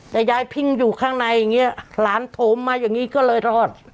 แต่ยายพิ่งอยู่ข้างในอย่างนี้หลานโถมมาอย่างนี้ก็เลยรอด